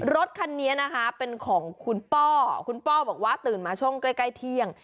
รถคันนี้นะคะเป็นของคุณป้อคุณป้อบอกว่าตื่นมาช่วงใกล้เที่ยง